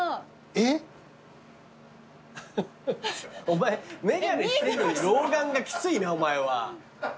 えっ？お前眼鏡してるのに老眼がきついなお前は。